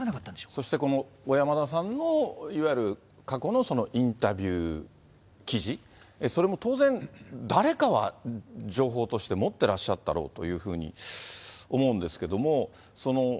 そしてこの小山田さんのいわゆる過去のインタビュー記事、それも当然、誰かは情報として持ってらっしゃっただろうというふうに思うんですけども。